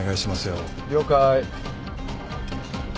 了解。